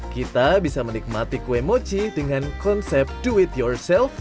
kita bisa menikmati kue mochi dengan konsep do it yourself